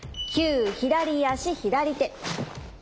９左足左手。